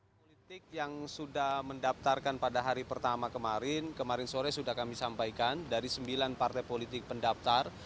partai politik yang sudah mendaftarkan pada hari pertama kemarin kemarin sore sudah kami sampaikan dari sembilan partai politik pendaftar